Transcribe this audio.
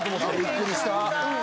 びっくりした。